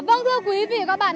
vâng thưa quý vị các bạn